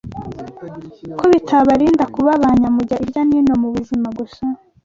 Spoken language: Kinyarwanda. ko bitabarinda kuba ba nyamujya irya n’ino mu buzima gusa